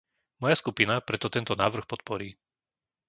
Moja skupina preto tento návrh podporí.